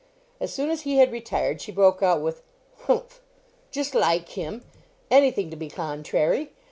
As soon as he had retired, she broke out with "Humph! just like him; any thing to be contrary.